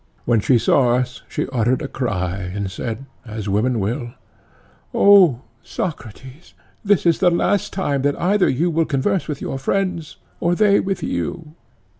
When she saw us she uttered a cry and said, as women will: 'O Socrates, this is the last time that either you will converse with your friends, or they with you.'